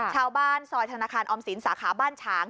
ชาวบ้านซอยธนาคารออมศิลป์สาขาบ้านช้าง